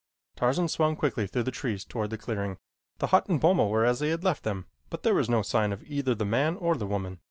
Tarzan swung quickly through the trees toward the clearing. The hut and boma were as he had left them, but there was no sign of either the man or the woman.